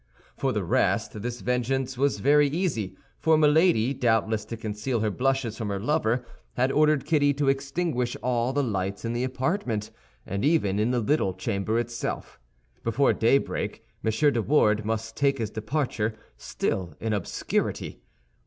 For the rest this vengeance was very easy; for Milady, doubtless to conceal her blushes from her lover, had ordered Kitty to extinguish all the lights in the apartment, and even in the little chamber itself. Before daybreak M. de Wardes must take his departure, still in obscurity.